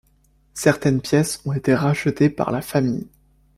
Certaines pièces ont été rachetées par la famille.